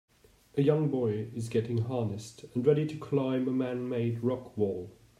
A young boy is getting harnessed and ready to climb a manmade rock wall.